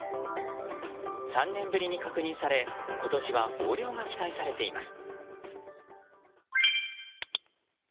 ３年ぶりの確認され今年は豊漁が期待されています。